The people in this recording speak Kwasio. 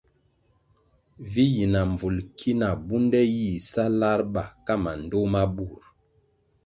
Vi yi na mbvulʼ ki na bunde yih sa lar ba ka mandtoh ma burʼ.